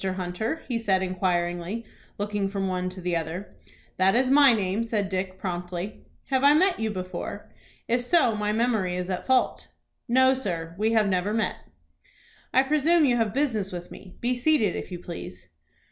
Hunter?" he said, inquiringly, looking from one to the other. "That is my name," said Dick, promptly. "Have I met you before? If so, my memory is at fault." "No, sir, we have never met." "I presume you have business with me. Be seated, if you please."